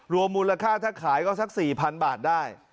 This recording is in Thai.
มูลค่าถ้าขายก็สัก๔๐๐๐บาทได้